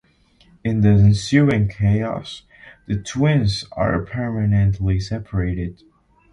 In the ensuing chaos, the twins are permanently separated.